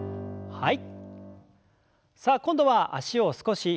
はい。